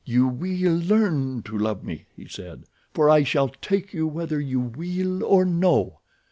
"You will learn to love me," he said, "for I shall take you whether you will or no.